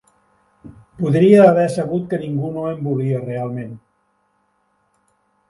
Podria haver sabut que ningú no em volia realment.